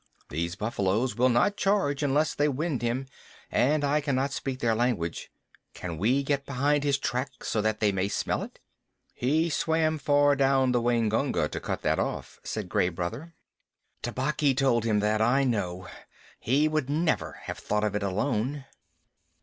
These buffaloes will not charge unless they wind him, and I cannot speak their language. Can we get behind his track so that they may smell it?" "He swam far down the Waingunga to cut that off," said Gray Brother. "Tabaqui told him that, I know. He would never have thought of it alone."